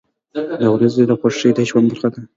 • د ورځې خوښي د ژوند برخه ده.